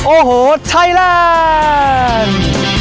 โอ้โหไทยแลนด์